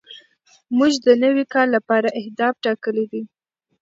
موږ د نوي کال لپاره اهداف ټاکلي دي.